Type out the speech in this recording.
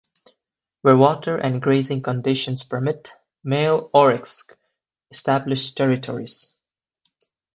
Where water and grazing conditions permit, male oryx establish territories.